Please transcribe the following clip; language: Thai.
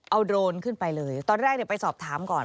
เอาโดรนขึ้นไปเลยตอนแรกไปสอบถามก่อน